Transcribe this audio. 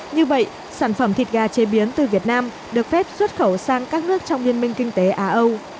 như vậy sản phẩm thịt gà chế biến từ việt nam được phép xuất khẩu sang các nước trong liên minh kinh tế á âu